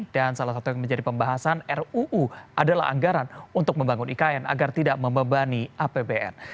salah satu yang menjadi pembahasan ruu adalah anggaran untuk membangun ikn agar tidak membebani apbn